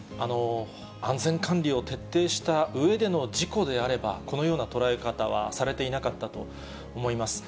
安全管理を徹底したうえでの事故であれば、このような捉え方はされていなかったと思います。